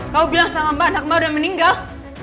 kau bilang sama mbak anak mbak udah meninggal